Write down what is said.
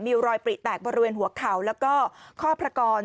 มีรอยปริแตกบริเวณหัวเข่าแล้วก็ข้อพระกร